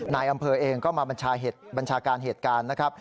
นายอำเภอเองก็มาบัญชาการเหตุการณ์นะครับ